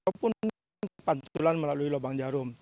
ataupun pancuran melalui lobang jarum